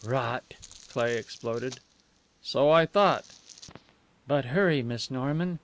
"Rot!" Cleigh exploded. "So I thought." "But hurry, Miss Norman.